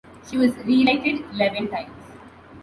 She was re-elected eleven times.